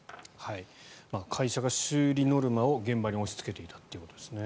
会社が修理ノルマを現場に押しつけていたということですね。